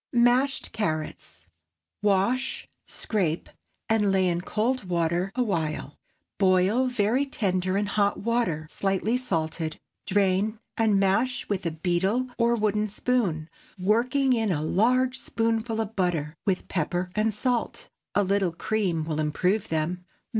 MASHED CARROTS. Wash, scrape, and lay in cold water a while. Boil very tender in hot water, slightly salted. Drain, and mash with a beetle or wooden spoon, working in a large spoonful of butter, with pepper and salt. A little cream will improve them.